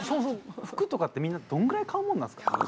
服とかってみんなどんぐらい買うものなんですか？